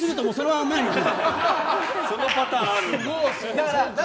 そのパターンあるんだ。